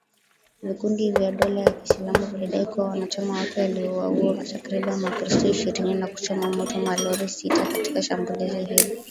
Vikundi vya dola ya kiislamu vilidai kuwa wanachama wake waliwauwa takribani wakristo ishirini na kuchoma moto malori sita katika shambulizi hilo